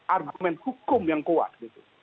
argumen hukum yang kuat